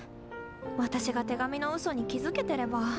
私が手紙の嘘に気付けてれば。